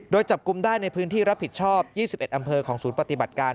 โดยจับกลุ่มได้ในพื้นที่รับผิดชอบ๒๑อำเภอของศูนย์ปฏิบัติการ